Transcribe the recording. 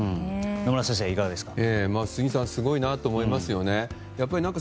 野村先生はいかがですか？